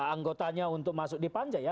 anggotanya untuk masuk di panja ya